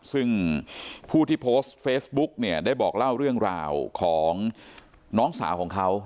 ซึ่งผู้ที่โพสต์เฟซบุ๊กเนี่ยได้บอกเล่าเรื่องราวของน้องสาวของเขา